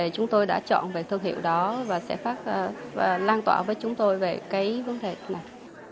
chúng tôi đã chọn về thương hiệu đó và sẽ lan tỏa với chúng tôi về cái vấn đề này